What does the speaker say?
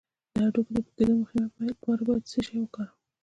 د هډوکو د پوکیدو مخنیوي لپاره باید څه شی وکاروم؟